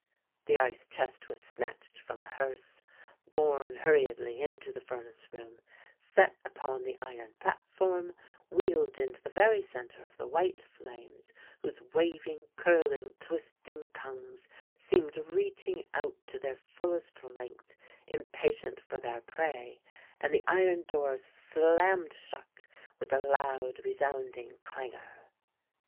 The ice chest was snatched from the hearse, borne hurriedly into the furnace room, set upon the iron platform, wheeled into the very center of the white flames, whose waving, curling, twisting tongues seemed reaching out to their fullest length, impatient for their prey, and the iron doors slammed shut with a loud, resounding clangor.